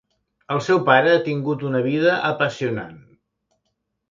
El seu pare ha tingut una vida apassionant.